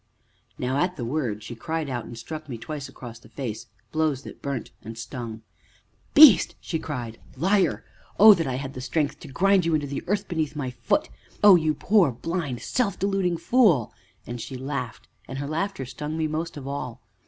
Now at the word she cried out, and struck me twice across the face, blows that burnt and stung. "Beast!" she cried. "Liar! Oh, that I had the strength to grind you into the earth beneath my foot. Oh! you poor, blind, self deluding fool!" and she laughed, and her laughter stung me most of all.